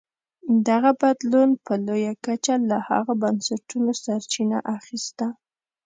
دغه بدلون په لویه کچه له هغو بنسټونو سرچینه اخیسته.